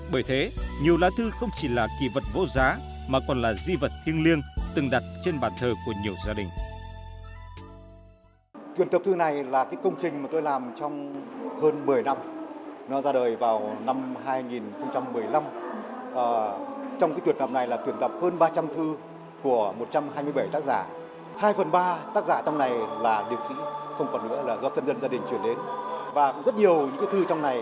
bởi thế nhiều lá thư không chỉ là kỳ vật vô giá mà còn là di vật thiêng liêng từng đặt trên bản thơ của nhiều gia đình